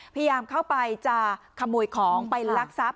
พยายามเข้าไปจะขโมยของไปลักทรัพย